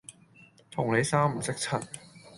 同你三唔識七